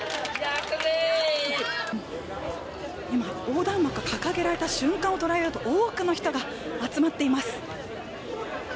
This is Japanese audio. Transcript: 今、横断幕が掲げられた瞬間を捉えようと多くの人が集まっています。